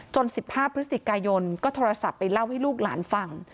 ๑๕พฤศจิกายนก็โทรศัพท์ไปเล่าให้ลูกหลานฟัง